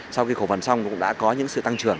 sau khi cổ phần xong cũng đã có những sự tăng trưởng